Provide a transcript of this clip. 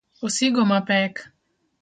osigo mapek.